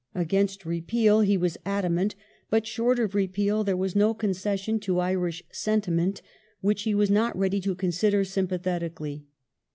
Against repeal he was adamant; but short ^^'.^.^ of repeal there was no concession to Irish sentiment which he was not ready to consider sympathetically.